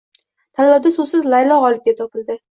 Tanlovda so`zsiz Laylo g`olib deb topildi